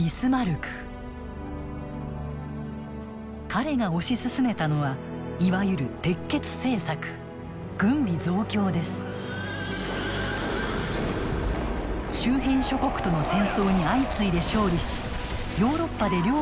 彼が推し進めたのはいわゆる周辺諸国との戦争に相次いで勝利しヨーロッパで領土を拡大していきます。